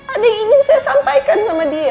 ada yang ingin saya sampaikan sama dia